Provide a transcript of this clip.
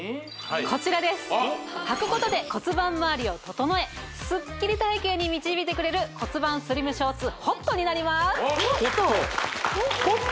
こちらですはくことで骨盤周りを整えスッキリ体型に導いてくれる骨盤スリムショーツＨＯＴになりますＨＯＴ？